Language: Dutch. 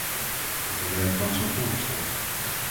Dat hadden wij trouwens al voorgesteld.